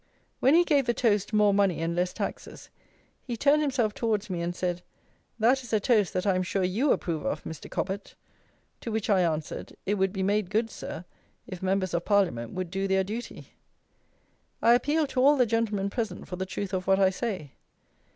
When he gave the toast "more money and less taxes," he turned himself towards me, and said, "That is a toast that I am sure you approve of, Mr. Cobbett." To which I answered, "It would be made good, Sir, if members of Parliament would do their duty." I appeal to all the gentlemen present for the truth of what I say.